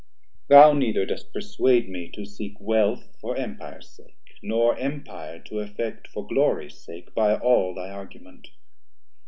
Thou neither dost perswade me to seek wealth For Empires sake, nor Empire to affect For glories sake by all thy argument.